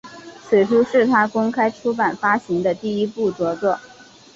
此书是他公开出版发行的第一部着作。